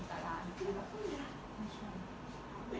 ขอบคุณก่อน